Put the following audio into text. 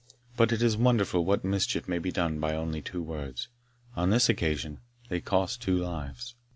But it is wonderful what mischief may be done by only two words. On this occasion they cost two lives.